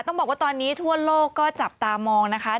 ต้องบอกว่าตอนนี้ทั่วโลกก็จับตามองนะคะ